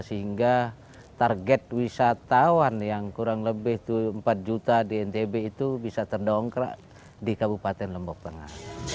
sehingga target wisatawan yang kurang lebih empat juta di ntb itu bisa terdongkrak di kabupaten lombok tengah